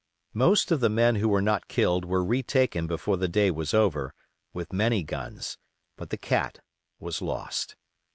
Most of the men who were not killed were retaken before the day was over, with many guns; but the Cat was lost.